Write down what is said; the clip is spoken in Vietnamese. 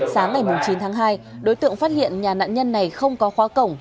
sáng ngày chín tháng hai đối tượng phát hiện nhà nạn nhân này không có khóa cổng